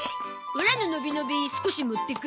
オラののびのび少し持ってく？